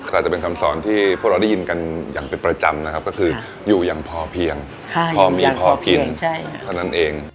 ก็อาจจะเป็นคำสอนที่พวกเราได้ยินกันอย่างเป็นประจำนะครับก็คืออยู่อย่างพอเพียงพอมีพอกินเท่านั้นเอง